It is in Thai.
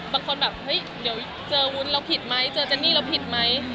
แบบเฮ้ยเดี๋ยวเจอวุ้นแล้วผิดไหมเจอเจนนี่เราผิดไหม